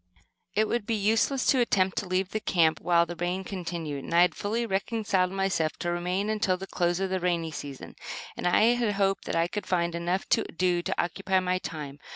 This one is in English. It would be useless to attempt to leave camp while the rain continued, and I had fully reconciled myself to remain until the close of the rainy season; and I hoped that I could find enough to do to occupy the time.